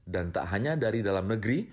dan tak hanya dari dalam negeri